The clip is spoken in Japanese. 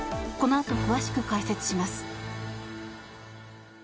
このあと詳しく解説します。